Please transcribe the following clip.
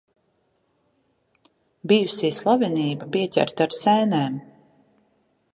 Bijusī slavenība pieķerta ar sēnēm.